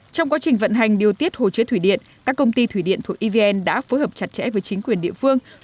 trong quá trình vận hành điều tiết hồ chứa thủy điện các công ty thủy điện thuộc evn đã phối hợp chặt chẽ với chính quyền địa phương